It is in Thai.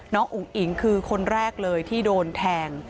อุ๋งอิ๋งคือคนแรกเลยที่โดนแทง